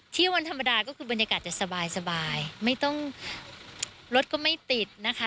วันธรรมดาก็คือบรรยากาศจะสบายสบายไม่ต้องรถก็ไม่ติดนะคะ